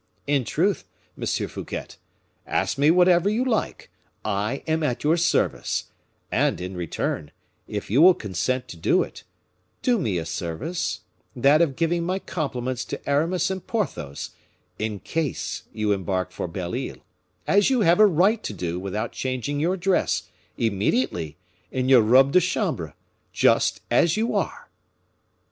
In truth, Monsieur Fouquet, ask me whatever you like, I am at your service; and, in return, if you will consent to do it, do me a service, that of giving my compliments to Aramis and Porthos, in case you embark for Belle Isle, as you have a right to do without changing your dress, immediately, in your robe de chambre just as you are."